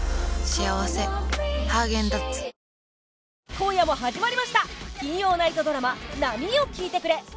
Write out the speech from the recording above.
今夜も始まりました金曜ナイトドラマ『波よ聞いてくれ』